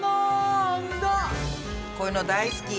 こういうの大好き。